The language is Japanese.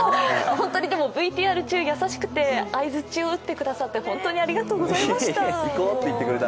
本当ＶＴＲ中、優しくて、相づちうってくれて本当にありがとうございました。